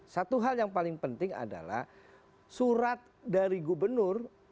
satu hal yang paling penting adalah surat dari gubernur